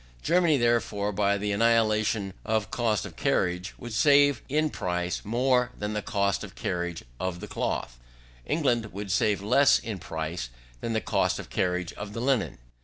Germany, therefore, by the annihilation of cost of carriage, would save in price more than the cost of carriage of the cloth; England would save less in price than the cost of carriage of the linen.